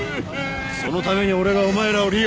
そのために俺がお前らを利用。